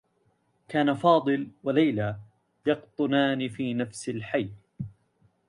كان فاضل و ليلى يقطنان في نفس الحي.